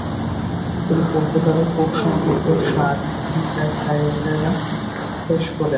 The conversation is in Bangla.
তিনি পর্তুগালে পোপসংক্রান্ত ষাঁড় ইন্টার কায়েটেরা পেশ করেন।